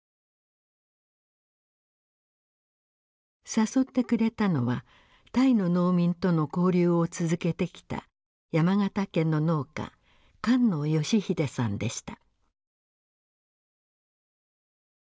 誘ってくれたのはタイの農民との交流を続けてきた山形県の農家菅野芳秀さんでした。